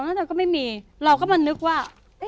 แล้วเธอก็ไม่มีเราก็มานึกว่า